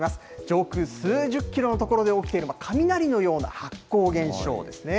上空数十キロの所で起きている、雷のような発光現象ですね。